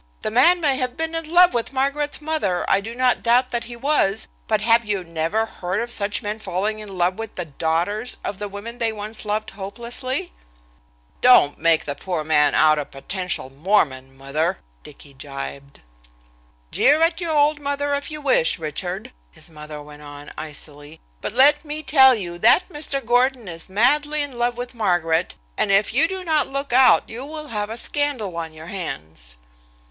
The man may have been in love with Margaret's mother, I do not doubt that he was, but have you never heard of such men falling in love with the daughters of the women they once loved hopelessly?" "Don't make the poor man out a potential Mormon, mother!" Dicky jibed. "Jeer at your old mother if you wish, Richard," his mother went on icily, "but let me tell you that Mr. Gordon is madly in love with Margaret and if you do not look out you will have a scandal on your hands."